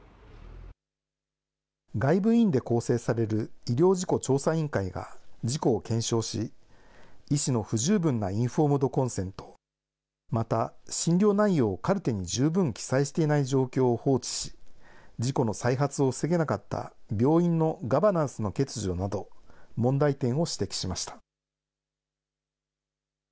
外部委員で構成される、医療事故調査委員会が事故を検証し、医師の不十分なインフォームドコンセント、また、診療内容をカルテに十分記載していない状況を放置し、事故の再発を防げなかった病院のガバナンスの欠如など、問題点を指摘しました。